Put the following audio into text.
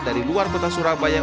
dari luar kota surabaya